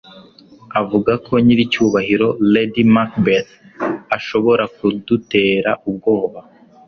avuga ko Nyiricyubahiro Lady Macbeth ashobora kudutera ubwoba